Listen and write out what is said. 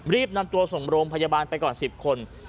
รีบนำตัวส่งโรงพยาบาลไปก่อน๑๐คน